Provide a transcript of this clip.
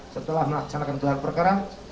setelah melaksanakan perkerang perkerang